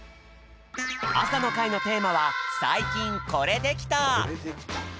朝の会のテーマは「最近コレできた」